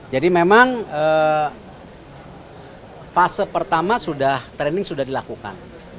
jadi memang fase pertama sudah training sudah dilakukan